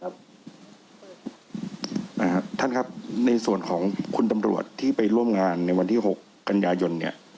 ท่านครับในส่วนของคุณตำรวจที่ไปร่วมงานในวันที่๖กันยายนเนี่ย